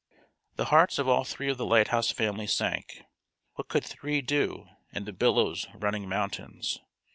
The hearts of all three of the lighthouse family sank. What could three do and the billows running mountains?